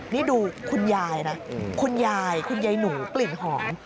นี่ดูคุณยายนะคุณยายคุณยายหนูกลิ่นหอม